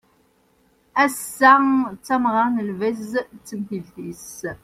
Ass-a d tameɣra n lbaz d temtilt-is